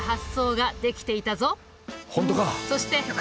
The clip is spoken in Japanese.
本当か。